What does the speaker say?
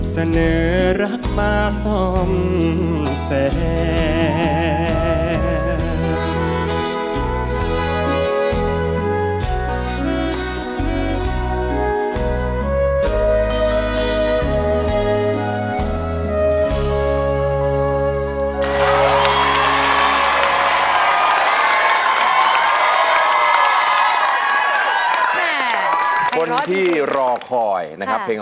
เสนอรักมาซ่อมแซม